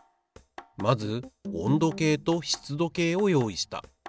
まず温度計と湿度計を用意した。